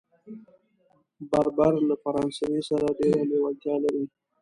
بربر له فرانسې سره ډېره لېوالتیا لري.